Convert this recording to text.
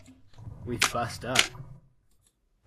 We've bust up.